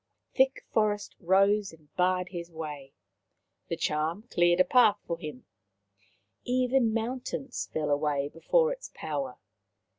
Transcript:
Thick forest rose and barred his way ; the charm cleared a path for him. Even mountains fell away before its power.